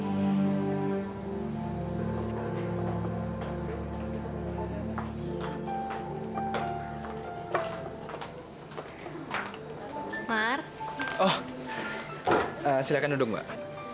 oh silakan duduk mbak